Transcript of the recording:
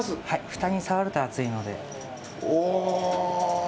ふたに触ると熱いので。